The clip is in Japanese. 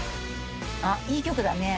あっいい曲だね。